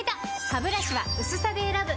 ハブラシは薄さで選ぶ！